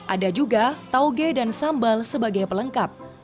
ada juga tauge dan sambal sebagai pelengkap